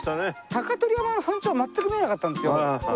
鷹取山の山頂は全く見えなかったんですよ。